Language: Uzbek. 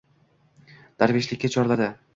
Darveshlikka chorladi.